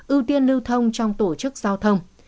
ưu tiên lưu thông trong tổ chức giao thông